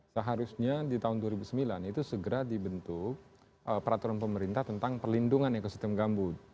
seharusnya di tahun dua ribu sembilan itu segera dibentuk peraturan pemerintah tentang perlindungan ekosistem gambut